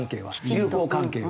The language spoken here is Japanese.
友好関係は。